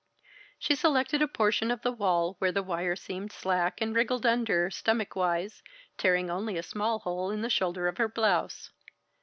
She selected a portion of the wall where the wire seemed slack, and wriggled under, stomach wise, tearing only a small hole in the shoulder of her blouse.